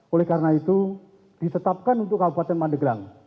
oleh karena itu ditetapkan untuk kabupaten pandeglang